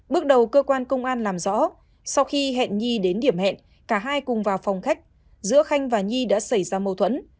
bước đầu cơ quan công an làm rõ sau khi hẹn nhi đến điểm hẹn cả hai cùng vào phòng khách giữa khanh và nhi đã xảy ra mâu thuẫn